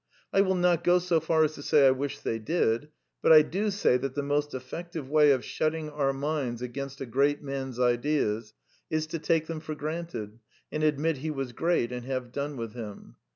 I will not go so far as to say I wish they did ; but I do say that the most effective way of shutting our minds against a great man's ideas is to take them for granted and admit he was great and have done with him.